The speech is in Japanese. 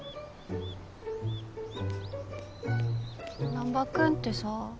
難破君ってさ。